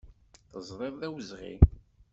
Teẓriḍ d awezɣi.